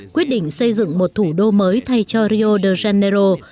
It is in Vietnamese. quyết định xây dựng một thủ đô mới thay cho rio de janeiro